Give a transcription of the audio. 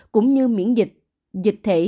cũng như miễn dịch dịch thể